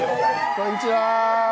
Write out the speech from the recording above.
こんにちは。